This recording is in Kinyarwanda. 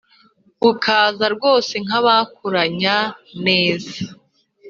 Bukaza rwose nk’abakuranye neza